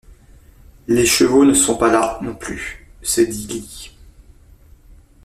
Les chevaux ne sont pas là, non plus! se dit Lî.